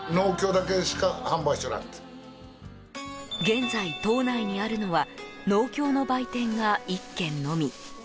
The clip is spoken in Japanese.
現在、島内にあるのは農協の売店が１軒のみ。